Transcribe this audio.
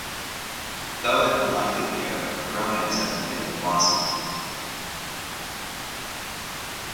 Though an unlikely pair, a romance has begun to blossom.